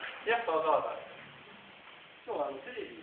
今日テレビ。